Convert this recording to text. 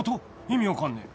意味分かんねえ。